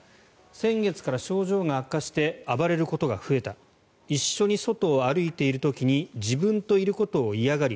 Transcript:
先月から症状が悪化して暴れることが増えた一緒に外を歩いている時に自分といることを嫌がり